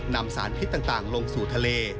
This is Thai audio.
นำสารพิษต่างลงสู่ทะเล